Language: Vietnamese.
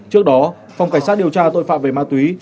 trước đó phòng cảnh sát điều tra tội phạm về ma túy